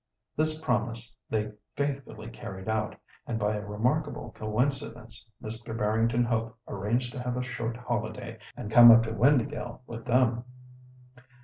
This promise they faithfully carried out, and by a remarkable coincidence, Mr. Barrington Hope arranged to have a short holiday, and come up to Windāhgil with them.